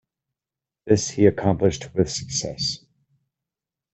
This he accomplished with success.